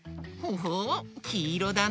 ほほうきいろだね。